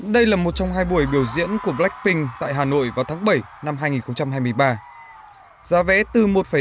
đây là một trong hai buổi biểu diễn của blackpink tại hà nội vào tháng bảy năm hai nghìn hai mươi ba giá vẽ từ một bảy